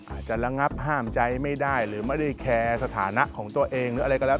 ระงับห้ามใจไม่ได้หรือไม่ได้แคร์สถานะของตัวเองหรืออะไรก็แล้ว